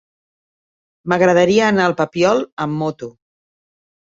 M'agradaria anar al Papiol amb moto.